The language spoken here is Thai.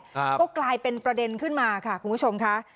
ก็กลายเป็นประเด็นขึ้นมาค่ะคุณผู้ชมค่ะ